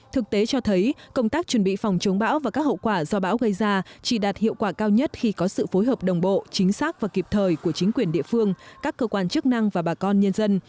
thực tế cho thấy công tác chuẩn bị phòng chống bão và các hậu quả do bão gây ra chỉ đạt hiệu quả cao nhất khi có sự phối hợp đồng bộ chính xác và kịp thời của chính quyền địa phương các cơ quan chức năng và bà con nhân dân